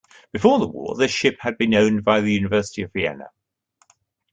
Before the war this ship had been owned by the University of Vienna.